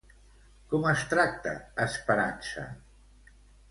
Com es tracta Esperança?